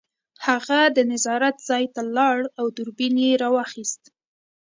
هغه د نظارت ځای ته لاړ او دوربین یې راواخیست